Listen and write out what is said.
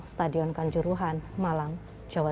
stadion kanjuruhan malang jawa